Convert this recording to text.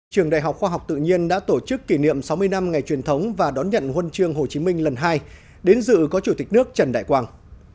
trường đại học khoa học tự nhiên đã tổ chức kỷ niệm sáu mươi năm ngày truyền thống và đón nhận huân chương hồ chí minh lần hai đến dự có chủ tịch nước trần đại quang